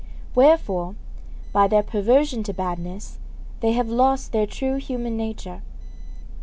Wherefore, by their perversion to badness, they have lost their true human nature.